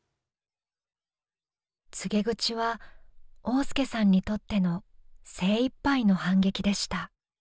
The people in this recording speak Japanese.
告げ口は旺亮さんにとっての精一杯の反撃でした。